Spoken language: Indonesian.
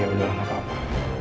ya udah lama kapa